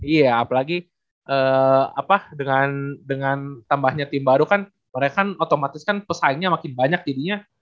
iya apalagi dengan tambahnya tim baru kan mereka otomatis kan pesaingnya makin banyak jadinya